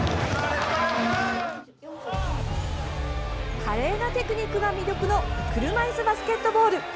華麗なテクニックが魅力の車いすバスケットボール。